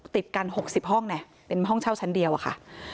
ติดกัน๖๐ห้องเนี่ยเป็นห้องเช่าชั้นเดียวอะค่ะ